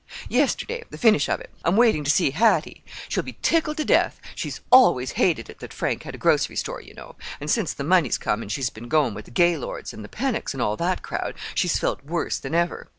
"Yesterday—the finish of it. I'm waiting to see Hattie. She'll be tickled to death. She's always hated it that Frank had a grocery store, you know; and since the money's come, and she's been going with the Gaylords and the Pennocks, and all that crowd, she's felt worse than ever.